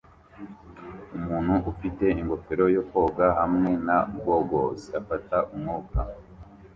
Umuntu ufite ingofero yo koga hamwe na gogles afata umwuka